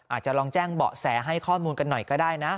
อาจจะลองแจ้งเบาะแสให้ข้อมูลกันหน่อยก็ได้นะ